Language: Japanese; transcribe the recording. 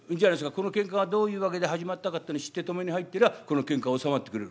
この喧嘩がどういう訳で始まったかってのを知って止めに入ってりゃこの喧嘩収まってくれる」。